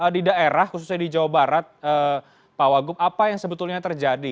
di daerah khususnya di jawa barat pak wagup apa yang sebetulnya terjadi